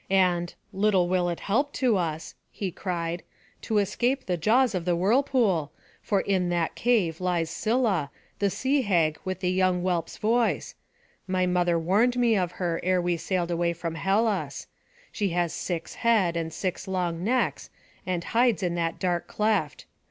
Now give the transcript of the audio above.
And "Little will it help to us," he cried, "to escape the jaws of the whirlpool; for in that cave lives Scylla, the sea hag with a young whelp's voice; my mother warned me of her ere we sailed away from Hellas; she has six heads, and six long necks, and hides in that dark cleft.